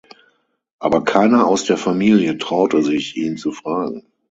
Aber keiner aus der Familie traute sich, ihn zu fragen.